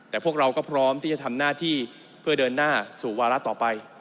แต่พวกเราก็พร้อมที่จะทำหน้าที่เพื่อเดินหน้าสู่วาระต่อไป